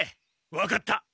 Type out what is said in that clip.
わかった。